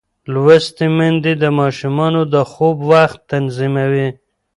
لوستې میندې د ماشوم د خوب وخت تنظیموي.